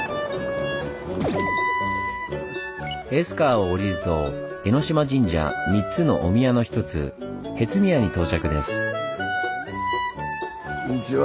エスカーを降りると江島神社３つのお宮の１つ辺津宮に到着です。